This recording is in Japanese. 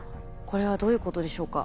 これはどういうことでしょうか？